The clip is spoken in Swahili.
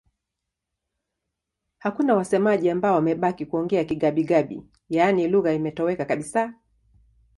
Hakuna wasemaji ambao wamebaki kuongea Kigabi-Gabi, yaani lugha imetoweka kabisa.